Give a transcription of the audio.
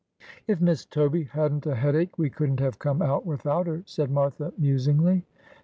' If Miss Toby hadn't a headache we couldn't have come out without her,' said Martha musingly.